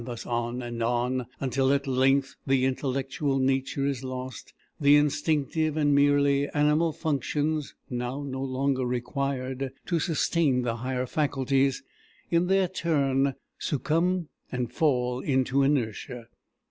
Thus on and on, until at length, the intellectual nature lost, the instinctive and merely animal functions, now no longer required to sustain the higher faculties, in their turn succumb and fall into inertia.